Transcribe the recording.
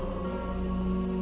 persaksikan tanda baktiku